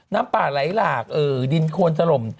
น้ำป่าไหลหลากดินโคนถล่ม